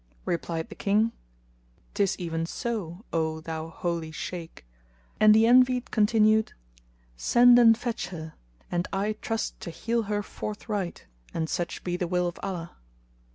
Replied the King, " 'Tis even so, O thou holy Shaykh;" and the Envied continued, "Send and fetch her, and I trust to heal her forthright (an such it be the will of Allah!)"